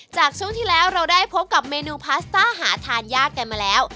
จากช่วงที่แล้วเราได้พบกับเมนูพาสต้าหาทานยากกันมาแล้ว